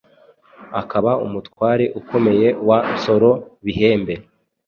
akaba umutware ukomeye wa Nsoro Bihembe.